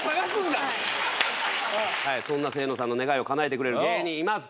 そんな清野さんの願いをかなえてくれる芸人がいます。